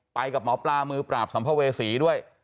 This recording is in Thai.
ไปกับหมอปลามือปราบสัมภเวษีด้วย